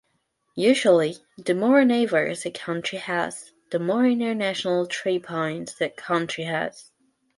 Usually, the more neighbours a country has, the more international tripoints that country has.